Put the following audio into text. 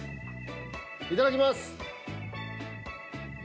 いただきます。